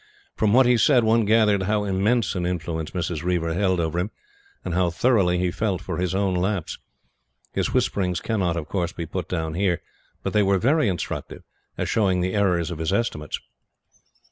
From what he said, one gathered how immense an influence Mrs. Reiver held over him, and how thoroughly he felt for his own lapse. His whisperings cannot, of course, be put down here; but they were very instructive as showing the errors of his estimates.